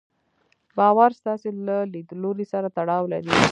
باور ستاسې له ليدلوري سره تړاو لري.